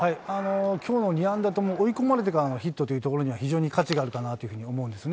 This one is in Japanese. きょうの２安打とも、追い込まれてからのヒットというところには非常に価値があるかなというふうに思うんですね。